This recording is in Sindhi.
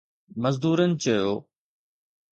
مزدورن چيو